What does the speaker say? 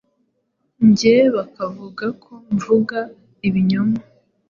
njye bakavuga ko mvuga ibinyoma